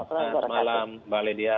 selamat malam mbak lady ya